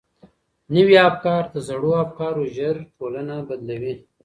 نوي افکار تر زړو افکارو ژر ټولنه بدلوي.